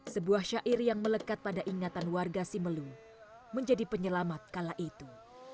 sebuah syair yang melekat pada ingatan warga simelu menjadi penyelamat kala itu